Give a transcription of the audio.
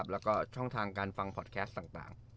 แล้วก็ช่องทางการฟังพอดแคสต์ต่าง